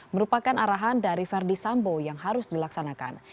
merupakan arahan dari verdi sambo yang harus dilaksanakan